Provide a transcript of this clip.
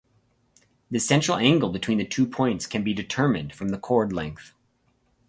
The central angle between the two points can be determined from the chord length.